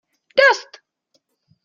Dost!